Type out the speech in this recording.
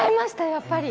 やっぱり。